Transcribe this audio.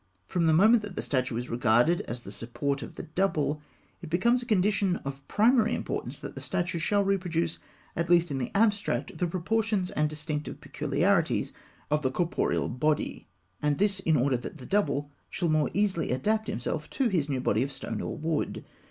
From the moment that the statue is regarded as the support of the Double, it becomes a condition of primary importance that the statue shall reproduce, at least in the abstract, the proportions and distinctive peculiarities of the corporeal body; and this in order that the Double shall more easily adapt himself to his new body of stone or wood.